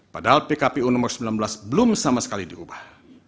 padahal pkpu nomor sembilan belas belum sama sekali diubah